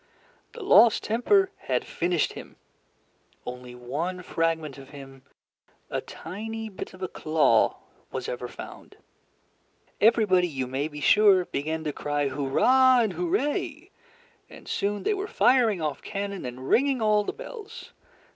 The lost temper had finished him. Only one fragment of him, a tiny bit of a claw, was ever found. Everybody, you may be sure, began to cry "Hurrah" and "Hooray," and soon they were firing off cannon and ringing all the bells.